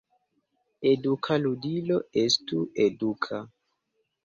Eduka ludilo estu eduka.